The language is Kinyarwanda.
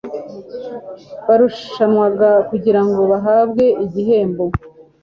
barushanwaga kugirango bahabwe igihembo